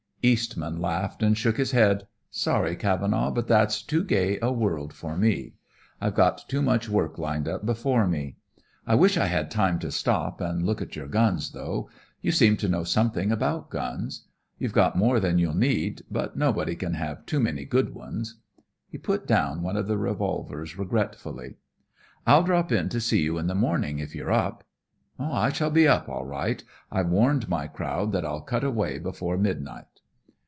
Eastman laughed and shook his head. "Sorry, Cavenaugh, but that's too gay a world for me. I've got too much work lined up before me. I wish I had time to stop and look at your guns, though. You seem to know something about guns. You've more than you'll need, but nobody can have too many good ones." He put down one of the revolvers regretfully. "I'll drop in to see you in the morning, if you're up." "I shall be up, all right. I've warned my crowd that I'll cut away before midnight."